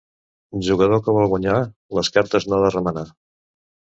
Jugador que vol guanyar, les cartes no ha de remenar.